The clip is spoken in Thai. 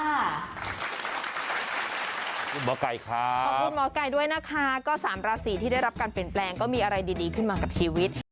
ขอบคุณหมอกัยครับขอบคุณหมอกัยด้วยนะคะก็สามราศีที่ได้รับการเปลี่ยนแปลงก็มีอะไรดีดีขึ้นมากับชีวิต